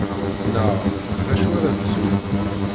Neɣ: D acu ara nsew?